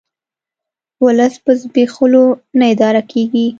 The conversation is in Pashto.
ولس په زبېښولو نه اداره کیږي